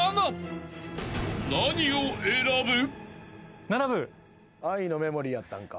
［何を選ぶ？］